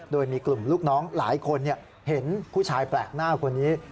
โดยมีกลุ่มลูกน้องหลายคนเห็นผู้ชายแปลกหน้าคนนี้